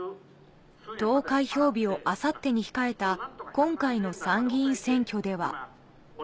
投開票日をあさってに控えた今回の参議院選挙では。